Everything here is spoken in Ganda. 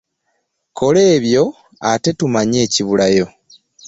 Kola ebyo ate tumanye ekibulayo.